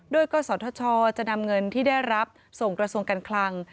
โดยกศธชจะนำเงินที่ได้รับส่งกระทรวงการคลัง